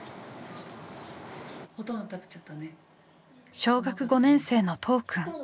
小学５年生の都央くん。